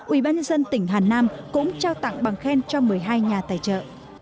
ubnd tỉnh hà nam cũng trao tặng bằng khen cho một mươi hai nhà tài trợ